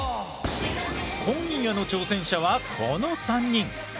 今夜の挑戦者はこの３人。